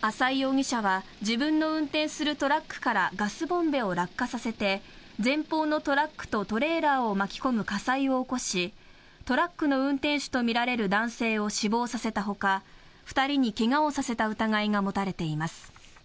浅井容疑者は自分の運転するトラックからガスボンベを落下させて前方のトラックとトレーラーを巻き込む火災を起こしトラックの運転手とみられる男性を死亡させたほか２人に怪我をさせた疑いが持たれています。